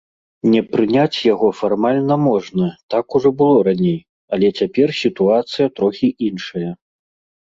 Не прыняць яго фармальна можна, так ужо было раней, але цяпер сітуацыя трохі іншая.